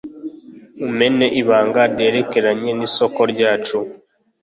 umena ibanga ryerekeranye n isoko ryacu